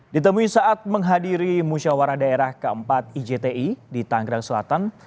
ditemui saat menghadiri musyawarah daerah keempat ijti di tanggerang selatan